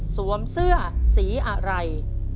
สวมเสื้อสีอะไร